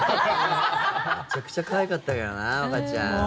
むちゃくちゃ可愛かったからな、和歌ちゃん。